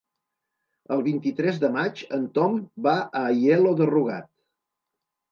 El vint-i-tres de maig en Tom va a Aielo de Rugat.